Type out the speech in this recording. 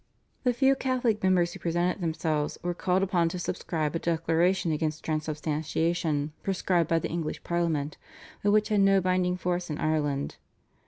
The few Catholic members who presented themselves were called upon to subscribe a Declaration against Transubstantiation prescribed by the English Parliament, but which had no binding force in Ireland.